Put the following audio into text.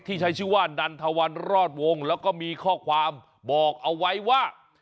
ใช้ชื่อว่านันทวันรอดวงแล้วก็มีข้อความบอกเอาไว้ว่า